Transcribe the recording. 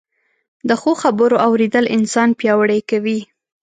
د ښو خبرو اورېدل انسان پياوړی کوي